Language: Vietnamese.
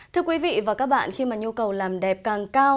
thưa quý vị và các bạn khi mà nhu cầu làm đẹp càng cao